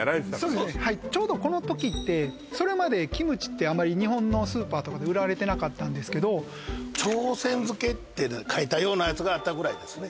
そうですねはいちょうどこの時ってそれまでキムチってあまり日本のスーパーとかで売られてなかったんですけど朝鮮漬って書いたようなやつがあったぐらいですね